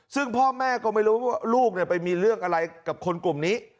ซึ่งพ่อแม่ก็ไม่รู้ว่าลูกไปมีเรื่องอะไรกับคนกลุ่มนี้